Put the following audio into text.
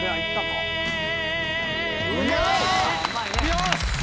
よし！